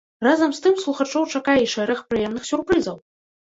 Разам з тым слухачоў чакае і шэраг прыемных сюрпрызаў.